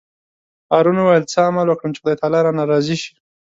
هارون وویل: څه عمل وکړم چې خدای تعالی رانه راضي شي.